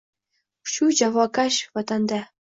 Shu jafokash vatanda?